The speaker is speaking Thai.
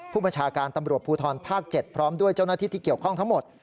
ผู้บัญชาการตำรวจภูทรภาค๗พร้อมด้วยเจ้าหน้าที่ที่เกี่ยวข้องทั้งหมด